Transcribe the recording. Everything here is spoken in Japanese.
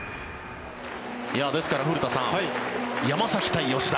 ですから、古田さん山崎対吉田。